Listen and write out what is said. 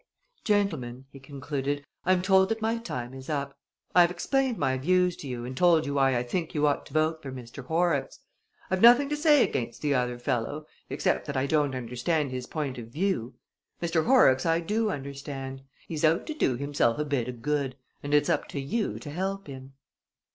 "Gentlemen," he concluded, "I'm told that my time is up. I have explained my views to you and told you why I think you ought to vote for Mr. Horrocks. I've nothing to say against the other fellow, except that I don't understand his point of view. Mr. Horrocks I do understand. He's out to do himself a bit o'good and it's up to you to help him."